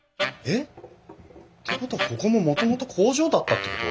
ってことはここももともと工場だったってこと！？